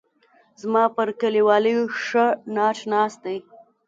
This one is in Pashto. زما پر لیکوالۍ ښه ناټ ناست دی.